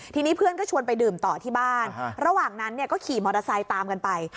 ทีนี้เพื่อนก็ชวนไปดื่มต่อที่บ้านระหว่างนั้นก็ขี่มอเตอร์ไซค์ตามกันไป